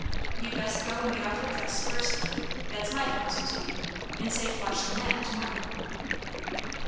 You'd best go and get off your dress, first thing; that's my counsel to ye; and save washing that to morrow."